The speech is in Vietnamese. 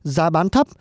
giá bán thấp